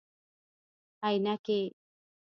👓 عینکي